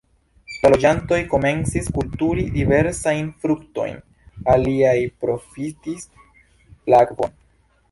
La loĝantoj komencis kulturi diversajn fruktojn, aliaj profitis la akvon.